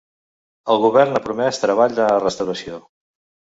El govern ha promès treball de restauració.